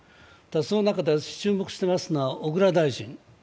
その中で私注目していますのは小倉大臣。